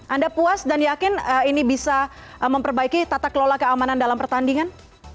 anda puas dan yakin ini bisa memperbaiki tata kelola keamanan dalam pertandingan